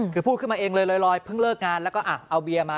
คือพูดขึ้นมาเองเลยลอยเพิ่งเลิกงานแล้วก็เอาเบียร์มา